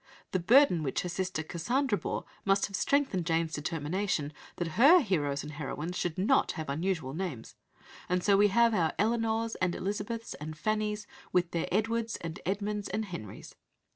The burden which her sister Cassandra bore must have strengthened Jane's determination that her heroes and heroines should not have unusual names, and so we have our Elinors and Elizabeths, and Fannys, with their Edwards and Edmunds, and Henrys.